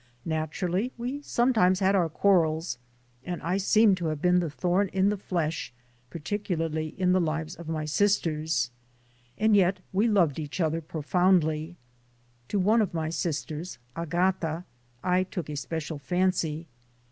Naturally, we sometimes had our quarrels, and I seemed to have been the thorn in the flesh, especially in the lives of my sisters. And yet we loved each other profoundly. To one of my sisters, Agata, I took a special fancy.